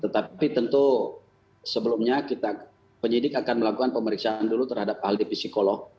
tetapi tentu sebelumnya kita penyidik akan melakukan pemeriksaan dulu terhadap ahli psikolog